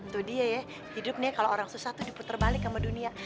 itu dia ya hidup nih kalau orang susah tuh diputar balik sama dunia